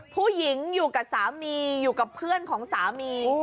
ผู้หญิงอยู่กับสามีอยู่กับเพื่อนของสามี